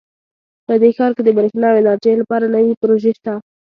په دې ښار کې د بریښنا او انرژۍ لپاره نوي پروژې شته